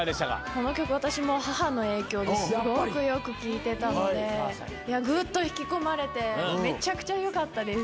この曲私も母の影響ですごくよく聴いてたのでグッと引き込まれてめちゃくちゃよかったです。